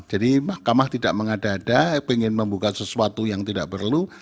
jadi mahkamah tidak mengadada ingin membuka sesuatu yang tidak perlu